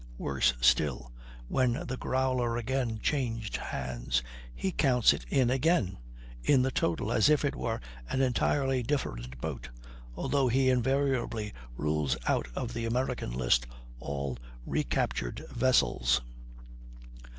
Worse still, when the Growler again changed hands, he counts it in again, in the total, as if it were an entirely different boat, although he invariably rules out of the American list all recaptured vessels.